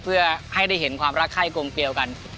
เพื่อให้ได้เห็นความรักไข้กลมเกลียวกัน